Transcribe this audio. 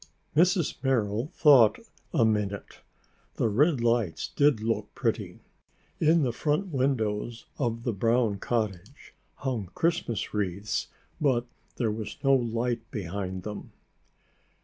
Mrs. Merrill thought a minute. The red lights did look pretty. In the front windows of the brown cottage hung Christmas wreaths but there was no light behind them.